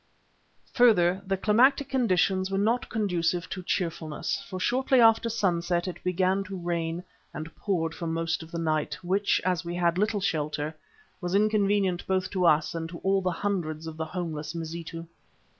Further, the climatic conditions were not conducive to cheerfulness, for shortly after sunset it began to rain and poured for most of the night, which, as we had little shelter, was inconvenient both to us and to all the hundreds of the homeless Mazitu.